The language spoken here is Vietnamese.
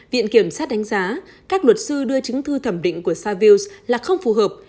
viện kiểm sát đánh giá các luật sư đưa chứng thư thẩm định của savil là không phù hợp